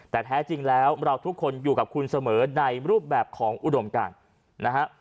แต่แท้จริงแล้วเราทุกคนอยู่กับคุณเสมอในรูปแบบของอุดมการนะฮะ